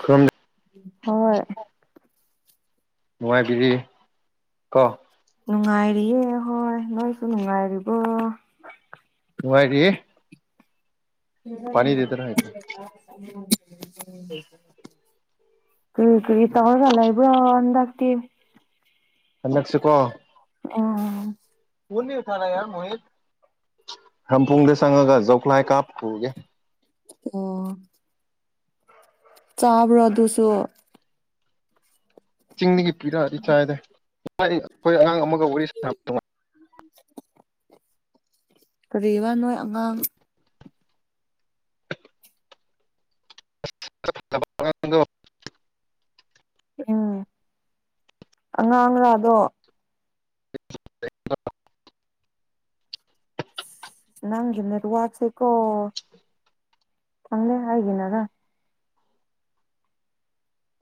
ꯈꯨꯔꯨꯝꯗ ꯍꯣꯏ ꯃꯉꯥꯏꯕꯤꯗꯤ ꯀ ꯅꯨꯡꯉꯥꯏꯔꯤꯌꯦ ꯍꯣꯏ ꯅꯣꯏꯁꯨ ꯅꯨꯡꯉꯥꯏꯔꯤꯕꯣ ꯋꯥꯏꯗꯤ ꯃꯖ ꯂꯩ ꯀ ꯀ ꯇꯧꯔꯒꯂ ꯏꯕ꯭ꯔꯑꯣ ꯑꯥꯛꯇꯤ ꯀꯟꯅꯦꯛꯁꯨ ꯀꯣ ꯎꯝ ꯀꯟꯅꯤ ꯊꯅ ꯃꯍꯤ ꯍꯝ ꯐꯨꯡꯗꯦ ꯁꯒꯒ ꯣꯈꯂꯑ ꯀꯥꯞ ꯐꯒꯦ ꯑ ꯆꯥꯕ꯭ꯔꯗꯨꯁꯨꯣ ꯆꯤꯡꯗꯒꯤ ꯄꯤꯔꯛꯑꯗꯤ ꯆꯥꯏꯗ ꯑꯩꯈꯣꯏ ꯑꯉꯥꯡ ꯑꯃꯒ ꯋꯥꯔꯤ ꯁꯥꯟꯅꯕꯉꯥꯏ [unintelligible] ꯀꯕꯣꯏ ꯑꯉꯥꯡ ꯎꯝ ꯑꯉꯥꯡ ꯉꯥꯗꯣ ꯅꯪꯒꯅꯦꯔ ꯋꯥꯠꯁꯀꯣ ꯆꯪꯅꯦ ꯍꯥꯏꯒꯤꯅꯥꯅ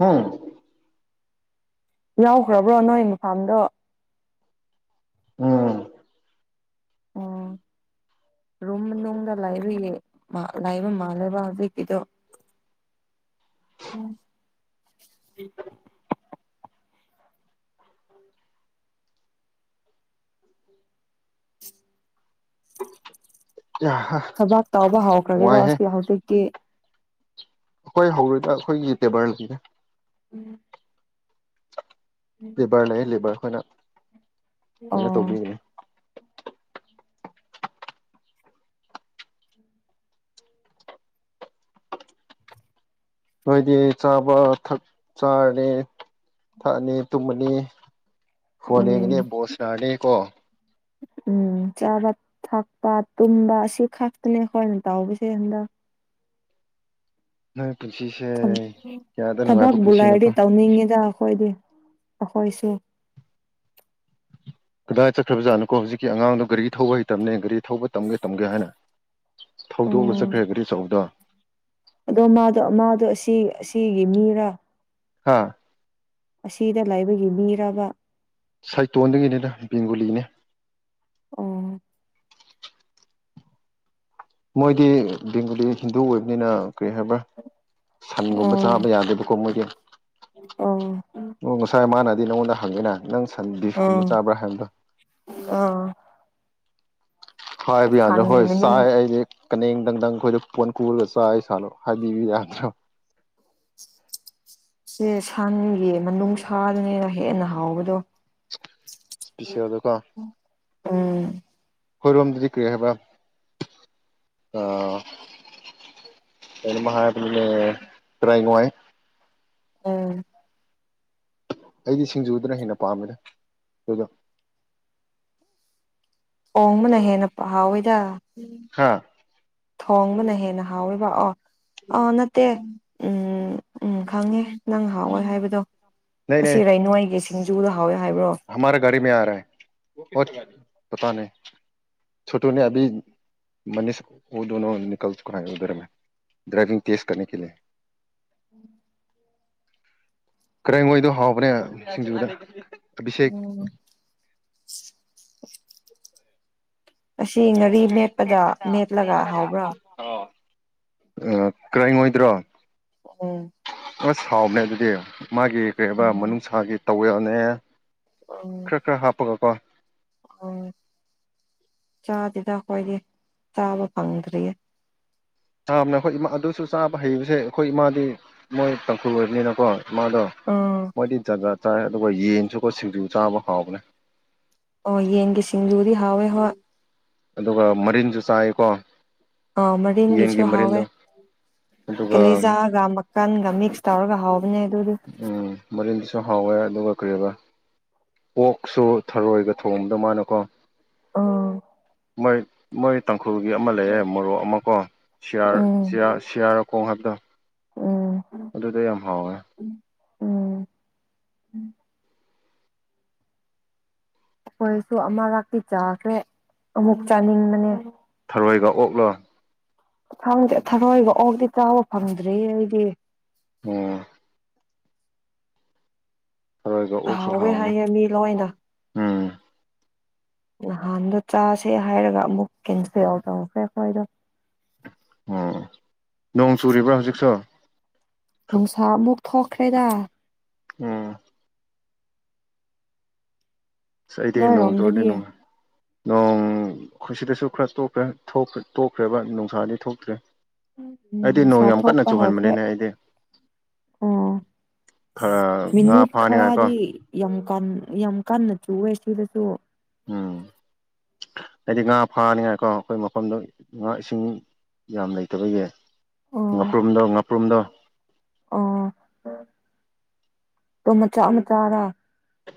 ꯍꯥꯝ ꯌꯥꯎꯈ꯭ꯔꯕ꯭ꯔꯣ ꯅꯣꯏ ꯃꯐꯝꯥꯗꯣ ꯎꯝ ꯔꯨꯝꯅꯨꯡꯗ ꯂꯥꯏꯔꯨꯏꯌꯦ ꯂꯥꯏꯕ ꯃꯥꯜꯂꯦꯕ ꯍꯧꯖꯤꯛꯀꯤꯗꯣ [unintelligible] ꯎꯝ ꯌꯥꯍꯥ ꯊꯕꯥꯛ ꯇꯕ ꯍꯧꯈ꯭ꯔꯒꯦꯔꯣ ꯋꯥꯏꯍꯦ ꯑꯁꯤ ꯍꯧꯖꯤꯛꯤ ꯑꯩꯈꯣꯏ ꯍꯧꯔꯣꯏꯗ ꯑꯩꯈꯣꯏꯒꯤ ꯇꯦꯕꯔꯅꯦ ꯎꯝ ꯂꯤꯦꯕꯔꯅꯦ ꯂꯤꯕꯔ ꯑꯩꯈꯣꯏꯅ ꯀꯃꯅ ꯑꯣ ꯇꯧꯕꯤꯒꯅꯤ ꯅꯣꯏꯗꯤ ꯆꯥꯕ ꯊꯛ ꯆꯥꯔꯦ ꯊꯛꯑꯅꯤ ꯇꯨꯝꯃꯅꯤ ꯐꯣꯟ ꯎꯝ ꯌꯦꯡꯉꯅꯤ ꯕꯣꯁꯅꯥꯔꯅꯤ ꯀꯣ ꯎꯝ ꯆꯥꯕ ꯊꯛꯄ ꯇꯨꯝꯕ ꯑꯁꯤ ꯈꯛꯇꯅꯦ ꯑꯩꯈꯣꯏꯅ ꯇꯥꯎꯁꯦ ꯍꯟꯗꯛ ꯍꯝ ꯊꯕꯛꯕꯨ ꯄꯨꯟꯁꯤꯅꯣꯀꯣ ꯂꯩꯥꯏꯔꯗꯤ ꯇꯧꯅꯤꯡꯉꯤꯗ ꯑꯩꯈꯣꯏꯗꯤ ꯑꯩꯈꯣꯏꯁꯤ ꯀꯗꯥꯏꯅ ꯆꯠꯈ꯭ꯔꯕꯖꯥꯠꯅꯣꯀꯣ ꯍꯧꯖꯤꯛꯀꯤ ꯑꯉꯥꯡꯗꯣ ꯒꯥꯔꯤ ꯊꯧꯕ ꯍꯩꯇꯕꯅꯦ ꯒꯥꯔꯤ ꯊꯧꯕ ꯇꯝꯒꯦ ꯇꯝꯒꯦ ꯍꯥꯏꯅ ꯊꯧꯗꯣꯛ ꯑꯃ ꯎꯝ ꯆꯠꯈ꯭ꯔꯒꯗꯤ ꯆꯎꯗ ꯑꯗꯣ ꯃꯥꯗꯣ ꯃꯥꯗꯣ ꯑꯁꯤ ꯑꯁꯤꯒꯤ ꯃꯤꯔꯥ ꯍꯥꯥ ꯑꯁꯤꯗ ꯂꯥꯏꯕꯒꯤ ꯃꯤꯔꯕ ꯁꯥꯏꯇꯣꯟꯗꯨꯒꯤꯅꯤꯅ ꯕꯦꯡꯒꯨꯂꯤꯅꯦ ꯑꯣ ꯃꯣꯏꯗꯤ ꯕꯦꯡꯒꯣꯂꯤ ꯍꯤꯟꯗꯨ ꯑꯣꯏꯕꯅꯤꯅ ꯀꯩ ꯍꯥꯏꯕ꯭ꯔꯥ ꯁꯟꯒꯨꯝꯕ ꯑꯣ ꯆꯥꯕ ꯌꯥꯗꯦꯕꯀꯣ ꯃꯣꯏꯁꯦ ꯑꯣ ꯎ ꯉꯁꯥꯏ ꯃꯥꯅ ꯅꯪꯉꯣꯟꯗ ꯍꯪꯉꯤꯅ ꯅꯪ ꯁꯟ ꯗꯤꯐꯀꯨꯝꯕ ꯑꯣ ꯆꯥꯕ꯭ꯔꯥ ꯍꯥꯏꯕꯗꯨꯣ ꯑꯣ ꯍꯕꯤ ꯑꯗꯣ ꯁꯟꯒꯤ ꯍꯣꯏ ꯁꯥ ꯃꯅꯨꯡꯁꯦ ꯑꯩꯗꯤ ꯀꯅꯗꯪꯗꯪ ꯑꯩꯈꯣꯏꯗ ꯄꯣꯟ ꯀꯔꯒ ꯆꯥꯏ ꯁꯥꯠꯂꯣ ꯍꯥꯏꯕꯤꯕ ꯌꯥꯗ꯭ꯔꯣ ꯁꯦ ꯁꯉꯌꯦ ꯃꯅꯨꯡ ꯁꯥꯗꯨꯅꯤꯅ ꯍꯦꯟꯅ ꯍꯥꯎꯕꯗꯣ ꯏꯁꯄꯤꯁꯤꯦꯜꯗꯀꯣ ꯎꯝ ꯑꯩꯣꯏꯔꯣꯝꯗꯨꯗꯤ ꯀꯔꯤ ꯍꯥꯏꯕ ꯑꯥ ꯩꯅ ꯃꯍꯅꯦ ꯇ꯭ꯔꯥꯏ ꯉꯅꯨꯡꯉꯥꯏ ꯑꯝ ꯑꯩꯗꯤ ꯁꯤꯡꯖꯨꯗꯅ ꯍꯦꯟꯅ ꯄꯥꯝꯃꯦꯗ ꯑꯗꯨꯗꯣ ꯑꯣꯣꯡꯕꯅ ꯍꯦꯟꯅ ꯄ ꯍꯥꯎꯋꯦꯗ ꯍꯥ ꯊꯣꯡꯕꯅ ꯍꯦꯟꯅ ꯍꯥꯎꯋꯦꯕ ꯑꯣ ꯑꯥ ꯅꯠꯇꯦ ꯎꯝ ꯎꯝ ꯈꯪꯉꯦ ꯅꯪ ꯍꯥꯎꯋꯦ ꯍꯥꯏꯕꯗꯣ ꯑꯁꯤꯔ ꯅꯣꯏꯒꯤ ꯁꯤꯡꯖꯨꯗ ꯍꯥꯎꯋꯦ ꯍꯥꯏꯕ꯭ꯔꯣ ꯒꯥꯔꯤ ꯃ ꯑꯔꯦ ꯄꯇꯥꯅꯦꯣꯇꯨꯅꯦ ꯑ ꯃꯅꯤꯁ ꯑꯣ ꯗꯅꯣ ꯅꯅꯤꯀꯂ ꯆꯨꯀꯥꯦ ꯎꯙꯔ ꯃ ꯗ꯭ꯔꯥꯏꯚꯒ ꯇꯦꯖꯀ ꯀ ꯂ ꯀꯔꯦꯡꯉꯣꯏꯗꯣ ꯍꯥꯎꯕꯅꯦ ꯁꯤꯡꯖꯨꯗ ꯑꯕꯤꯁꯦꯛ ꯎꯝ ꯑꯁꯤ [inaudible] ꯑ ꯉꯥꯔꯤ ꯃꯦꯠꯄꯗ ꯃꯦꯠꯂꯒ ꯍꯥꯎꯕ꯭ꯔꯥ ꯀ꯭ꯔꯥꯏ ꯑꯣꯏ ꯑꯣꯏꯗ꯭ꯔꯣ ꯎꯝ ꯑꯁ ꯁꯥꯎꯕꯅꯦ ꯑꯗꯨꯗꯤ ꯃꯥꯒꯤ ꯀꯩꯕ ꯎꯝ ꯃꯅꯨꯡꯅꯨꯡꯁꯥꯒꯤ ꯇꯧꯋꯦꯜꯅꯦ ꯈꯔ ꯈꯔ ꯍꯥꯞꯄꯒ ꯀꯣ ꯑ ꯆꯥꯁꯤꯗ ꯑꯩꯈꯣꯏꯗꯤ ꯆꯥꯕ ꯐꯪꯗ꯭ꯔꯤꯌꯦ ꯆꯥꯕꯅꯦ ꯑꯩꯈꯣꯏ ꯏꯃꯥ ꯑꯗꯨꯁꯨ ꯆꯥꯕ ꯍꯩꯕꯁꯦ ꯑꯩꯈꯣꯏ ꯏꯃꯥꯗꯤ ꯃꯣꯏ ꯇꯥꯡꯈꯨ ꯑꯣꯏꯕꯅꯤꯅꯀꯣ ꯃꯥꯗꯣ ꯎꯝ ꯃꯣꯏꯗꯤ ꯖꯥꯖꯥ ꯆꯥꯏ ꯑꯗꯨꯒ ꯌꯦꯟꯁꯨꯀ ꯁꯤꯡꯖꯨ ꯆꯥꯕ ꯍꯥꯎꯕꯅꯦ ꯑꯣ ꯌꯦꯟꯒꯤꯦ ꯁꯤꯡꯖꯨꯗꯤ ꯍꯥꯎꯋꯦ ꯍꯣꯏ ꯑꯗꯨꯒ ꯃꯔꯤꯟꯁꯨ ꯆꯥꯏꯀꯣ ꯑ ꯌꯦꯟꯒꯤ ꯃꯔꯤꯟꯒꯤꯁꯨ ꯍꯥꯎꯋꯦ ꯃꯔꯤꯟꯗꯣ ꯑꯗꯨꯒ ꯀꯂꯤꯖꯥꯒ ꯃꯀꯟꯒ ꯃꯤꯛꯁ ꯔꯒ ꯍꯥꯥꯎꯕꯅꯦ ꯎꯝ ꯃꯔꯤ ꯁꯨ ꯍꯥꯎꯋꯦ ꯑꯗꯨꯒ ꯀꯔꯤꯕ ꯑꯣꯛꯁꯨ ꯊꯔꯣꯏꯒ ꯊꯣꯡꯕꯗ ꯃꯥꯅꯀꯣ ꯑꯥ ꯃꯣꯏ ꯃꯣꯏ ꯇꯪ ꯎꯈ꯭ꯔꯜꯒꯤ ꯑꯃ ꯂꯩꯌꯦꯦ ꯃꯣꯔꯣꯛ ꯑꯃꯀꯣ ꯎꯝ ꯁꯤꯌꯥ ꯁꯤꯌꯥꯔꯈꯣꯡ ꯍꯥꯏꯕꯗꯣ ꯑꯗꯨꯗ ꯌꯥꯝ ꯍꯥꯎꯋꯦ ꯎꯝ ꯎꯝ ꯑꯩꯈꯣꯏꯁꯨ ꯑꯃ ꯂꯥꯛꯇꯤ ꯆꯥꯈ꯭ꯔꯦ ꯑꯃꯨꯛ ꯆꯥꯅꯤꯡꯕꯅꯦ ꯔꯔꯣꯏꯒ ꯑꯣꯛꯂꯣ ꯗꯦ ꯊꯔꯣꯏꯕ ꯑꯣꯗꯤꯤ ꯆꯥꯕ ꯐꯪꯗ꯭ꯔꯦ ꯑꯩꯗꯤ ꯑꯣ ꯊꯔꯣꯏꯒ ꯑꯣꯛꯁꯨ ꯍꯥꯎꯋꯦ ꯍꯦ ꯃꯤ ꯂꯣꯏꯅ ꯎꯝ ꯅꯍꯥꯟꯗ ꯆꯥꯁꯦ ꯍꯥꯏꯔꯒ ꯑꯃꯨꯛ ꯀꯦꯟꯁꯦꯜ ꯇꯧꯁꯦ ꯑꯩꯈꯣꯏꯗꯣ ꯑꯣ ꯅꯣꯡ ꯆꯨꯔꯤꯕ꯭ꯔꯥ ꯍꯧꯖꯤꯛꯁꯨ ꯅꯨꯡꯁꯥ ꯑꯃꯨꯛ ꯊꯣꯛꯈ꯭ꯔꯦꯗ ꯎꯝ ꯁ ꯑꯩꯗꯤ ꯅꯣꯡ ꯇꯨꯔꯗꯤ ꯅꯣꯏꯔꯣꯝꯗꯗꯤ ꯅꯣꯡ ꯅꯣꯡ ꯑꯩꯁꯤꯗꯁꯨ ꯈꯔ ꯇꯈ꯭ꯔꯦ ꯇꯣꯛꯈ꯭ꯔꯦꯕ ꯅꯨꯡꯁꯥꯗꯤ ꯊꯣꯛꯇ꯭ꯔꯦ ꯎꯝ ꯑꯩꯗꯤ ꯅꯣꯡ ꯌꯥꯝ ꯀꯟꯅ ꯁꯥꯊꯣꯛꯄ ꯍꯧꯈ꯭ꯔꯦ ꯆꯨꯍꯟꯕꯅꯤꯅꯦ ꯑꯩꯗꯤ ꯑꯣ ꯈꯔ ꯉꯥ ꯃꯤꯅꯤꯠ ꯐꯥꯅꯤꯉꯥꯏꯀꯣ ꯈꯔꯗꯤ ꯌꯥꯝ ꯌꯥꯝ ꯀꯟꯅ ꯆꯨꯑꯦ ꯁꯤꯗꯁꯨ ꯎꯝ ꯍꯥꯏꯗꯤ ꯉꯥ ꯐꯥꯅꯤꯡꯉꯥꯏꯀꯣ ꯑꯩꯈꯣꯏ ꯃꯐꯝꯗꯣ ꯉꯥ ꯏꯁꯤꯡ ꯌꯥꯝ ꯂꯩꯇꯕꯒꯤ ꯑꯣ ꯉꯄ꯭ꯔꯨꯨꯝꯗ ꯉꯄ꯭ꯔꯨꯨꯝꯗ ꯑꯣ ꯇꯣ ꯃꯆꯥ ꯃꯆꯥꯥꯗꯥ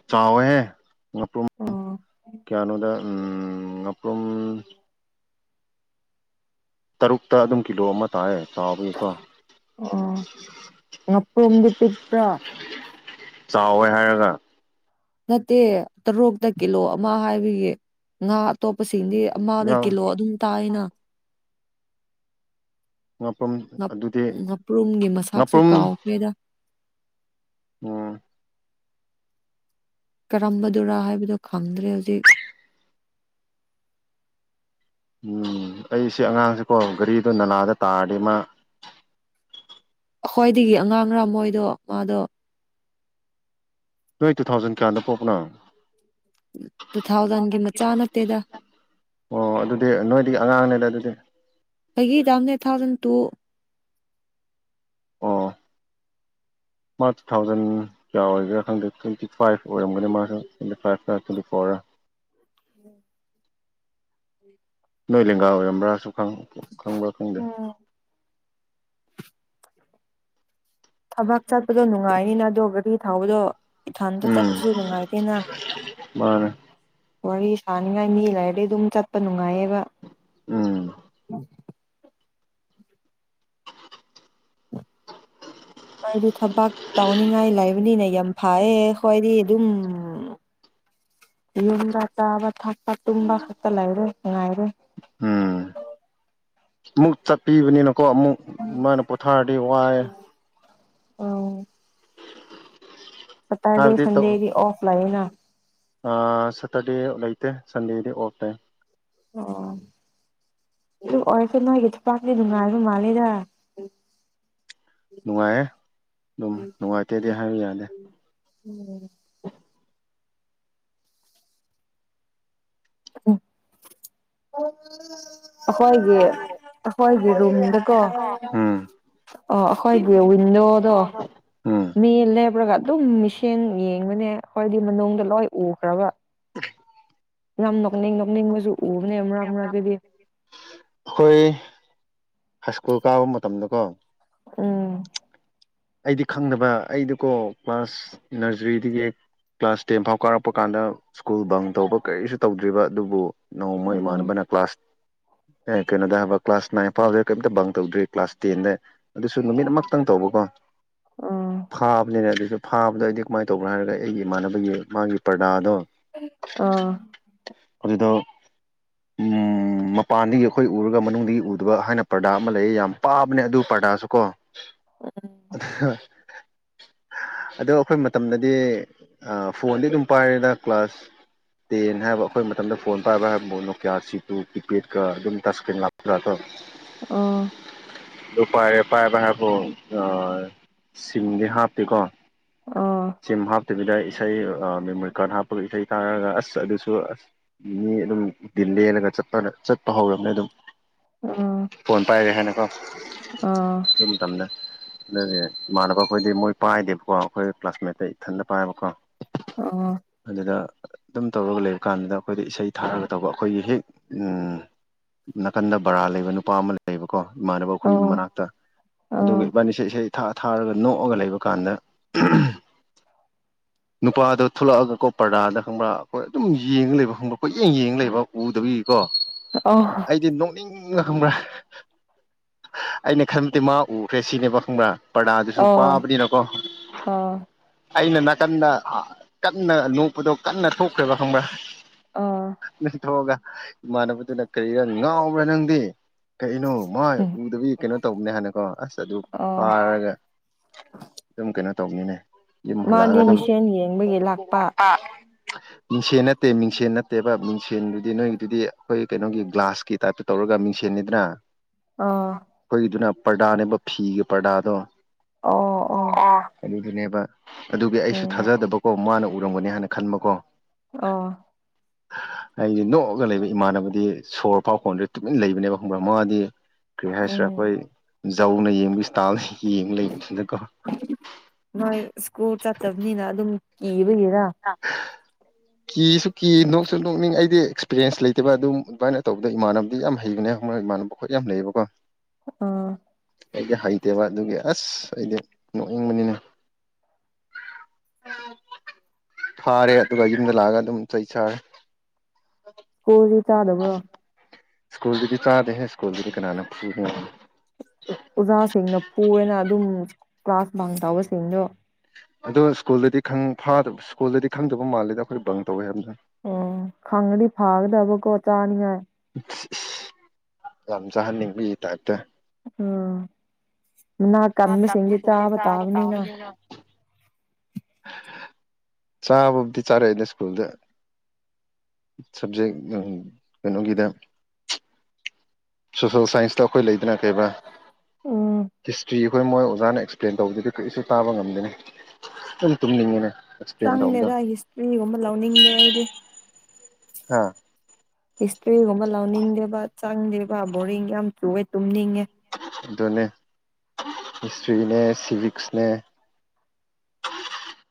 ꯆꯥꯎꯋꯦꯍꯦꯄ꯭ꯔꯨꯝ ꯑꯣ ꯀꯌꯥꯅꯣꯗ ꯎꯝ ꯑꯄꯝ ꯇꯔꯨꯛꯇ ꯑꯗꯨꯝ ꯀꯤꯂꯣ ꯑꯃ ꯇꯥꯑꯦ ꯑꯣ ꯄꯨꯝꯗꯤ ꯇꯤꯄ꯭ꯔꯥ ꯆꯥꯎꯋꯦ ꯍꯥꯏꯔꯒ ꯅꯠꯇꯦ ꯇꯔꯨꯛꯇ ꯀꯤꯂꯣ ꯑꯃ ꯍꯥꯏꯕꯒꯤ ꯉꯥ ꯑꯇꯣꯞꯄ ꯁꯤꯡꯗꯤ ꯑꯃꯗ ꯌꯥꯝ ꯀꯤꯂꯣ ꯑꯗꯨꯝ ꯇꯥꯏꯅ ꯉꯥꯄ꯭ꯔꯨꯝ ꯑꯗꯨꯗꯤ ꯅꯄ꯭ꯔꯨꯝꯒꯤ ꯃꯁꯥꯛꯁꯨ ꯉꯥꯄ꯭ꯔꯨꯝ ꯀꯥꯎꯈ꯭ꯔꯦꯗ ꯎꯝ ꯀꯔꯝꯕꯗꯔꯥ ꯍꯥꯏꯕꯗꯣ ꯈꯪꯗ꯭ꯔꯦ ꯍꯧꯖꯤꯛ ꯎꯝ ꯑꯩ ꯁꯤ ꯑꯉꯥꯡꯁꯤꯀꯣ ꯒꯥꯔꯤꯗꯣ ꯅꯂꯥꯗ ꯇꯥꯔꯗꯤ ꯃꯥ ꯑꯩꯈꯣꯏꯗꯒꯤ ꯑꯉꯥꯡꯔꯥ ꯃꯣꯏꯗꯣ ꯃꯥꯗꯣ ꯅꯣꯏ ꯇꯨ ꯊꯥꯎꯖꯟ ꯀꯌꯥꯗ ꯄꯣꯛꯄꯅꯣ ꯇꯨ ꯊꯥꯎꯖꯟꯒꯤ ꯃꯆꯥ ꯅꯠꯇꯦꯗ ꯑꯣ ꯑꯗꯨꯗꯤ ꯅꯣꯏꯗꯤ ꯑꯉꯥꯡꯅꯦꯗ ꯑꯗꯨꯗꯤ ꯑꯩꯒꯤꯗꯥꯝꯅꯦ ꯊꯥꯎꯖꯟ ꯇꯨ ꯑꯣ ꯃꯥ ꯇꯨ ꯊꯥꯎꯖꯟ ꯀꯌꯥ ꯑꯣꯏꯔꯤꯒꯦꯔꯥ ꯈꯪꯗꯦ ꯇ꯭ꯋꯦꯟꯇꯤ ꯐꯥꯏꯚ ꯑꯣꯏꯔꯝꯒꯅꯤ ꯃꯥꯁꯨ ꯇ꯭ꯋꯦꯟꯇꯤ ꯐꯥꯏꯚꯅ ꯇ꯭ꯋꯦꯟꯇꯤ ꯐꯣꯔꯒ [unintelligible] ꯎꯝ ꯅꯣꯏ ꯂꯦꯡꯒꯥ ꯑꯣꯏꯔꯝꯕ꯭ꯔꯥꯁꯨ ꯈꯪꯕ꯭ꯔꯥ ꯈꯪꯗꯦ ꯎꯝ ꯊꯕꯛ ꯆꯠꯄꯗꯣ ꯅꯨꯡꯉꯥꯏꯅꯤꯅ ꯑꯗꯣ ꯒꯥꯔꯤ ꯊꯕꯗꯣ ꯏꯊꯟꯇ ꯎꯝ ꯆꯠꯄꯁꯨ ꯅꯨꯡꯉꯥꯏꯇꯦꯅ ꯃꯥꯅꯦ ꯋꯥꯔꯤ ꯁꯥꯅꯤꯡꯉꯥꯏ ꯃꯤ ꯂꯩꯥꯏꯔꯗꯤꯩ ꯑꯗꯨꯝ ꯆꯠꯄ ꯅꯨꯡꯉꯥꯏꯌꯦꯕ ꯎꯝ ꯑꯗꯨꯗꯨ ꯊꯕꯛ ꯇꯧꯅꯤꯡꯉꯥꯏ ꯂꯩꯕꯅꯤꯅ ꯌꯥꯝ ꯐꯥꯏꯦ ꯈꯋꯥꯣꯏꯗꯤ ꯑꯗꯨ ꯑꯗꯨꯝ ꯌꯝꯕ ꯇꯕ ꯊꯄ ꯇꯨꯕ ꯀꯠꯇꯂꯥꯏꯔꯦ ꯉ ꯉꯥꯏꯔꯤꯦ ꯎꯝ ꯃꯨꯛ ꯆꯠꯄꯤꯕꯅꯤꯅ ꯀꯣ ꯑꯃꯨꯛ ꯃꯥꯅ ꯄꯣꯊꯥꯔꯗꯤ ꯋꯥꯏ ꯑꯣ ꯁꯇꯔꯗꯦ ꯍꯥꯏꯕꯗꯤ ꯁꯗꯦꯒꯤ ꯑꯣꯐ ꯂꯥꯏꯟ ꯁꯇꯔꯗꯦ ꯂꯩꯇꯦ ꯁꯟꯗꯦꯗꯤ ꯑꯣꯐ ꯇꯥꯏ ꯑꯣ ꯄꯥꯛꯅꯦ ꯅꯨꯡ ꯉꯥꯏꯕ ꯃꯥꯜꯂꯦꯗ ꯅꯨꯡꯉꯥꯏꯌꯦꯦ ꯑꯗꯨꯝ ꯅꯨꯡꯉꯥꯏꯇꯦꯗꯤ ꯍꯥꯏꯕ ꯌꯥꯅꯤꯦ ꯎꯝ [unintelligible] ꯑ ꯑꯩꯈꯣꯏꯒꯤ ꯑꯩꯈꯣꯏꯒꯤ ꯔꯨꯝꯗꯀꯣ ꯎꯝ ꯑꯣ ꯑꯩꯈꯣꯏꯒꯤ ꯂꯣꯗꯣ ꯎꯝ ꯃꯤ ꯏꯂ ꯑꯗꯨꯝ ꯃꯤꯁꯦꯟ ꯌꯦꯡꯕꯅꯦ ꯑꯩꯣꯏꯗꯤ ꯃꯅꯨꯡꯗ ꯂꯣꯏ ꯎꯈ꯭ꯔꯒ ꯑꯣꯦ ꯅꯣꯛꯅꯤꯡꯕꯁꯨ ꯎꯕꯅꯦ ꯃꯔꯛ ꯃꯔꯛꯇꯗꯤ ꯍꯣꯏ ꯁ꯭ꯀꯨꯜ ꯀꯥꯕ ꯃꯇꯝꯗꯀꯣ ꯎꯝ ꯑꯩꯗꯤ ꯈꯪꯗꯕ ꯑꯩꯗꯨꯀꯣ ꯀ꯭ꯂꯥꯁ ꯅꯔꯖꯔꯤ ꯍꯦꯛ ꯀ꯭ꯂꯥꯁ ꯇꯦꯟ ꯐꯥꯎ ꯀꯥꯔꯛꯄ ꯀꯥꯟꯗ ꯁ꯭ꯀꯨꯜ ꯕꯪ ꯇꯧꯕ ꯀꯔꯤꯁꯨ ꯇꯧꯗ꯭ꯔꯤꯕ ꯑꯗꯨꯕꯨ ꯅꯣꯡꯃ ꯎꯝ ꯏꯃꯥꯟꯅꯕꯅ ꯀ꯭ꯂꯥꯁ ꯑꯦ ꯀꯩꯅꯣꯗ ꯍꯥꯏꯕ ꯀ꯭ꯂꯥꯁ ꯅꯥꯏꯟ ꯐꯥꯎꯗꯗ ꯀꯩꯔꯤꯝꯇ ꯕꯪ ꯇꯧꯗ꯭ꯔꯤ ꯀ꯭ꯂꯥꯁ ꯇꯦꯟꯗ ꯑꯗꯨꯁꯨ ꯅꯨꯃꯤꯠ ꯑꯃꯛꯇꯪ ꯇꯧ ꯎꯝ ꯐꯥꯕꯅꯦꯔꯁꯨ ꯐꯥꯕꯗ ꯑꯩꯗꯤ ꯀꯃꯥꯏꯅ ꯇꯧꯕꯅꯣ ꯍꯥꯏꯔꯒ ꯑꯩꯒꯤ ꯏꯃꯥꯟꯅꯕꯒꯤ ꯃꯥꯒꯤ ꯄ꯭ꯔꯗꯥꯗꯣ ꯑꯥ ꯑꯗꯨꯗ ꯃꯄꯥꯟꯗꯒꯤ ꯑꯩꯈꯣꯏ ꯎꯔꯒ ꯃꯅꯨꯡꯗꯒꯤ ꯎꯗꯕ ꯍꯥꯏꯅ ꯄ꯭ꯔꯗꯥꯛ ꯑꯃ ꯂꯩꯌꯦ ꯌꯥꯝ ꯄꯥꯕꯅꯦ ꯑꯗꯨ ꯁꯨ ꯀꯣ ꯑꯗꯣ ꯑꯩꯈꯣꯏ ꯃꯇꯝꯗꯗꯤ ꯐꯣꯟꯗꯤ ꯑꯗꯨꯝ ꯄꯥꯏꯔꯦꯗ ꯀ꯭ꯂꯥꯁ ꯇꯦꯟ ꯍꯥꯏꯕ ꯑꯩꯈꯣꯏ ꯃꯇꯝꯗ ꯐꯣꯟ ꯄꯥꯏꯕ ꯍꯥꯏꯕꯕꯨꯅꯣ ꯀꯌꯥ ꯁꯤꯇꯨ ꯀꯤꯄꯦꯗꯀ ꯑꯗꯨꯝ ꯇꯀ꯭ꯔꯤꯟ ꯂꯥꯛꯇ꯭ꯔꯣ ꯑꯥ ꯑꯗꯨ ꯄꯥꯏꯔꯦ ꯄꯥꯏꯕ ꯍꯥꯏꯕꯨ ꯁꯤꯡꯗꯤ ꯍꯥꯞꯄꯤꯦꯀꯣ ꯑꯥ ꯇꯕꯤꯗ ꯏꯁꯩ ꯃꯦꯃꯣꯔꯤ ꯀꯥꯔꯗ ꯍꯥꯞꯄꯒ ꯏꯁꯩꯊ ꯇꯥꯔꯒ ꯑꯁ ꯑꯗꯨꯁꯨ ꯑꯁ ꯃꯤ ꯑꯗꯨꯝ ꯂꯦꯜꯂꯒ ꯆꯠꯄ ꯆꯠꯄ ꯍꯧꯔꯕꯅꯦ ꯑꯗꯨꯝ ꯑꯥ ꯐꯣꯟ ꯄꯥꯏꯔꯦ ꯍꯥꯏꯅꯀꯣ ꯑꯥ ꯁꯤ ꯃꯇꯝꯗ ꯑꯗꯨꯗꯤ ꯏꯃꯥꯟꯅꯕ ꯑꯩꯈꯣꯏꯗꯤ ꯃꯣꯏ ꯄꯥꯏꯗꯦꯕꯀꯣ ꯑꯩꯈꯣꯏ ꯀ꯭ꯂꯥꯁꯃꯦꯠꯇ ꯏꯊꯟꯇ ꯄꯥꯏꯕꯀꯣ ꯑꯥ ꯑꯗꯨꯗ ꯑꯗꯨꯝ ꯇꯧꯔꯒ ꯂꯩꯕ ꯀꯥꯟꯗꯨꯗ ꯑꯩꯈꯣꯏꯗ ꯏꯁꯩ ꯊꯥꯔꯒ ꯇꯧꯕ ꯑꯩꯈꯣꯏꯒꯤ ꯍꯦꯛ ꯅꯥꯀꯟꯗ ꯕꯔꯥ ꯂꯩꯕ ꯅꯨꯄꯥ ꯑꯃ ꯂꯩꯕꯀꯣ ꯏꯃꯥꯟꯅꯕ ꯑꯥ ꯑꯥ ꯑꯩꯈꯣꯏꯒꯤ ꯃꯅꯥꯛꯇ ꯑꯥ ꯑꯗꯨꯒ ꯏꯕꯥꯅꯤ ꯏꯁꯩꯦ ꯏꯁꯩ ꯊꯥ ꯊꯥꯔꯒ ꯅꯣꯛꯑꯒ ꯂꯩꯕ ꯀꯥꯟꯗ ꯅꯨꯄꯥꯗꯣ ꯊꯣꯛꯂꯛꯑꯒꯀꯣ ꯄꯔꯗꯥꯗ ꯈꯪꯕ꯭ꯔꯥ ꯑꯩꯈꯣꯏ ꯑꯗꯨꯝ ꯌꯦꯡꯉ ꯂꯩꯕ ꯈꯪꯕ꯭ꯔꯥ ꯑꯩꯣꯏꯠ ꯌꯦꯡ ꯌꯦꯡꯉ ꯂꯩꯕ ꯎꯗꯕꯤ ꯀꯣ ꯑꯩꯗꯤ ꯅꯣꯛꯅꯤꯡ ꯪ ꯈꯪꯕ꯭ꯔꯥ ꯑꯩꯅ ꯈꯟꯕꯗꯤꯦ ꯃꯥ ꯎꯔꯦꯁꯤꯅꯦꯕ ꯈꯪꯕ꯭ꯔꯥ ꯄꯔꯗꯨꯁꯨ ꯑꯥ ꯄꯥꯕꯅꯤꯅꯀꯣ ꯑꯥ ꯑꯥ ꯑꯥ ꯑꯩꯅ ꯅꯥꯀꯟꯗ ꯀꯟꯅ ꯅꯣꯛꯄꯗꯣ ꯀꯟꯅ ꯊꯣꯛꯈ꯭ꯔꯦꯕ ꯈꯪꯕ꯭ꯔꯥ ꯅꯊꯣꯛꯑꯒ ꯏꯃꯥꯟꯅꯕꯗꯨꯅ ꯀꯔꯤꯔ ꯉꯥꯎꯕ꯭ꯔꯥ ꯅꯪꯗꯤ ꯀꯩꯅꯣ ꯃꯣꯏ ꯎꯗꯕꯤ ꯀꯩꯅꯣ ꯇꯧꯕꯅꯦ ꯍꯥꯏꯅꯀꯣ ꯑꯁ ꯑꯗꯨ ꯐꯥꯔꯒ ꯑꯗꯨꯝ ꯀꯩꯅꯣ ꯇꯧꯃꯤꯟꯅꯩ ꯃꯥꯗꯤ ꯏꯜꯂꯒꯗ ꯃꯤꯁꯦꯟ ꯌꯦꯡꯕꯒꯤ ꯂꯥꯛꯄ ꯃꯤꯡꯁꯦꯟ ꯅꯠꯇꯦ ꯃꯤꯡꯁꯦꯟ ꯅꯠꯇꯦꯕ ꯃꯤꯡꯁꯦꯟꯗꯨꯗꯤ ꯅꯣꯏꯒꯤꯗꯨꯗꯤ ꯑꯩꯈꯣꯏ ꯀꯩꯅꯣꯒꯤ ꯒ꯭ꯂꯥꯁꯀꯤ ꯇꯥꯏꯞꯇ ꯇꯧꯔ ꯑꯗꯨꯒ ꯃꯤꯡꯁꯦꯟꯅꯤꯗꯅ ꯑ ꯑꯩꯈꯣꯏꯒꯤꯗꯨꯅ ꯄ꯭ꯔꯗꯥꯅꯦꯕ ꯐꯤꯒꯤ ꯄꯔꯗꯥꯗꯣ ꯑꯣ ꯑꯣ ꯑꯗꯨꯗꯨꯅꯦꯕ ꯑꯗꯨꯒꯤ ꯑꯩꯁꯨ ꯎꯝ ꯊꯥꯖꯗꯕꯀꯣ ꯃꯥꯅ ꯎꯔꯝꯒꯅꯤ ꯍꯥꯏꯅ ꯈꯟꯕꯀꯣ ꯑꯣ ꯑꯩꯁ ꯅꯣꯛꯑꯒ ꯂꯩꯕ ꯏꯃꯥꯟꯅꯕꯗꯤ ꯁꯣꯔ ꯐꯥꯎ ꯍꯣꯟꯗ꯭ꯔꯦ ꯇꯨꯃꯤꯟ ꯂꯩꯕꯅꯦꯕ ꯈꯪꯕ꯭ꯔꯥ ꯃꯉꯥꯗꯤ ꯀꯔꯤ ꯍꯥꯏꯁꯤꯔꯥ ꯎꯝ ꯑꯩꯈꯣꯏ ꯖꯧꯅ ꯌꯦꯡꯕ ꯏꯁꯇꯥꯜ ꯌꯦꯡꯕ ꯂꯩꯕꯁꯤꯗꯀꯣ ꯃꯣꯏ ꯁ꯭ꯀꯨꯜ ꯆꯠꯇꯕꯅꯤꯅ ꯑꯗꯨꯝ ꯀꯤꯕꯒꯤꯔ ꯎꯝ ꯀꯤꯁꯨ ꯀꯤ ꯅꯣꯛꯁꯨ ꯅꯣꯛꯅꯤꯡ ꯑꯩꯗꯤ ꯑꯦꯛꯁꯄꯤꯔꯌꯦꯦꯟꯁ ꯂꯩꯇꯕ ꯑꯗꯨꯝ ꯑꯗꯨꯃꯥꯏꯅ ꯇꯧꯕꯗ ꯏꯃꯥꯟꯅꯕꯗꯤ ꯌꯥꯝ ꯍꯩꯕꯅꯦ ꯃꯅꯕ ꯈꯣꯠ ꯌꯥꯝ ꯂꯩꯌꯦꯕꯀꯣ ꯑꯥ ꯑꯩꯗꯤ ꯍꯩꯇꯦꯕ ꯑꯗꯨꯒꯤ ꯑꯁ ꯑꯩꯗꯤ ꯅꯣꯛꯅꯤꯡꯕꯅꯤꯅ ꯑꯣ ꯐꯥꯔꯦ ꯑꯗꯨꯒ ꯌꯨꯝꯗ ꯂꯥꯛꯑꯒ ꯑꯗꯨꯝ ꯆꯩ ꯁꯥꯔꯦ ꯁ꯭ꯀꯨꯜꯗꯤ ꯆꯥꯗꯕ꯭ꯔꯣ ꯁꯀꯨꯜꯗꯗꯤ ꯆꯥꯗꯦ ꯁꯀꯨꯜꯗꯤ ꯀꯅꯥꯅ ꯑꯣꯖꯥꯁꯤꯡꯅ ꯐꯨꯑꯅ ꯑꯗꯨꯝ ꯀ꯭ꯂꯥꯁ ꯃꯥꯡ ꯇꯕꯁꯤꯡꯗꯣ ꯑꯗꯣ ꯁ꯭ꯀꯨꯜꯗꯗꯤꯥ ꯁ꯭ꯀꯨꯜꯗꯗꯤ ꯈꯪꯗꯕ ꯃꯥꯜꯂꯤꯗ ꯑꯩꯈꯣꯏ ꯕꯪ ꯇꯧꯋꯦ ꯍꯥꯏꯕꯗꯨ ꯑꯣ ꯈꯪꯒꯅꯤ ꯐꯥꯒꯗꯕ ꯀꯣ ꯆꯥꯅꯤ ꯌꯥꯝ ꯆꯥꯍꯟꯅꯤꯡꯕ ꯇꯥꯏꯞꯇ ꯑꯣ ꯅꯥ ꯀꯁꯤꯡ ꯆꯥꯕꯇꯥꯕꯅꯤꯅ ꯆꯥꯕꯕꯗꯤ ꯆꯥꯔꯦꯏꯅꯦ ꯁ꯭ꯀꯨꯜꯗ ꯁꯕꯖꯦꯛ ꯀꯩꯅꯣꯒꯤꯗ ꯁꯣꯁꯦꯜ ꯁꯥꯏꯟꯁꯇ ꯑꯩꯈꯣꯏ ꯂꯩꯗꯅ ꯀꯩꯕ ꯎꯝ ꯍꯤꯁꯇ꯭ꯔꯤ ꯑꯩꯈꯣꯏ ꯃꯣꯏ ꯑꯣꯖꯥꯅ ꯑꯦꯛꯁꯄ꯭ꯂꯦꯟ ꯇꯧꯕꯗꯨꯗꯤ ꯀꯔꯤꯁꯨ ꯇꯥꯕ ꯉꯝꯗꯦꯅꯤ ꯑꯗꯨꯝ ꯇꯨꯝꯅꯤꯡꯉꯤꯅꯦ ꯑꯦꯛꯁꯄ꯭ꯂꯦꯟ ꯇꯧꯕꯗꯣ ꯆꯪꯗꯦꯗ ꯍꯤꯁꯇ꯭ꯔꯤꯒꯨꯝꯕ ꯂꯧꯅꯤꯡꯗꯦ ꯑꯩꯗꯤ ꯍꯥꯥ ꯍꯤꯁꯇ꯭ꯔꯤꯒꯨꯝꯕ ꯂꯥꯎꯅꯤꯡꯗꯦꯕ ꯆꯪꯗꯦꯕ ꯕꯣꯔꯤꯡ ꯌꯥꯝ ꯆꯨꯑꯦ ꯇꯨꯝꯅꯤꯡꯉꯦ ꯑꯗꯨꯣꯅꯦ ꯍꯤꯁꯇ꯭ꯔꯤꯅꯦ ꯁꯤꯚꯛꯁꯅꯦ [inaudible]